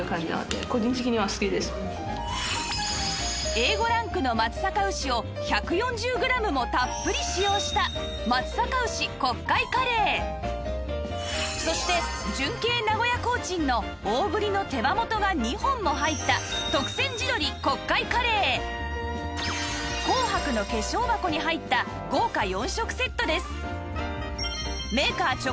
Ａ５ ランクの松阪牛を１４０グラムもたっぷり使用した松阪牛国会カレーそして純系名古屋コーチンの大ぶりの手羽元が２本も入った特選地鶏国会カレー紅白の化粧箱に入ったメーカー直販単品合計価格